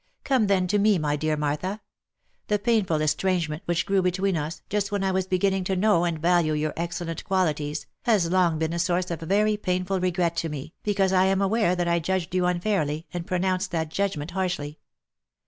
Come then to me, my dear Martha ! The painful estrange ment which grew between us, just when I was beginning to know and value your excellent qualities, has long been a source of very painful regret to me, because I am aware that I judged you unfairly, and pronounced that judgment harshly.